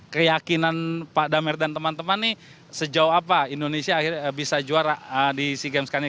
keyakinan pak damir dan teman teman nih sejauh apa indonesia bisa juara di sea games kali ini